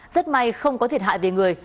rất may không có thiệt hại về người